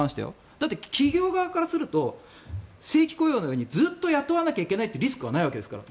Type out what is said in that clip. だって企業側からすると正規雇用のようにずっと雇わないといけないというリスクはないわけですから。